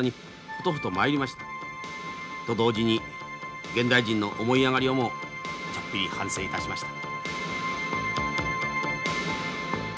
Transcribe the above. と同時に現代人の思い上がりをもちょっぴり反省いたしました。